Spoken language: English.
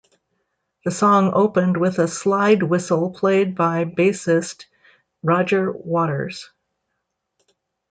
The song opened with a slide whistle played by bassist Roger Waters.